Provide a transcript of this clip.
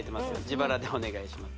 自腹でお願いします